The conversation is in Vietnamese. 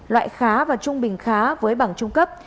loại khá và trung bình khá với bằng trung cấp